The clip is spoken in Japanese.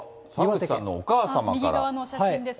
右側の写真ですね。